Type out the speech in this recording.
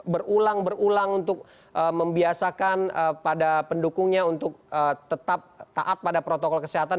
berulang ulang untuk membiasakan pada pendukungnya untuk tetap taat pada protokol kesehatan